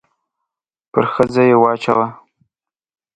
پر ښځې يې واچاوه.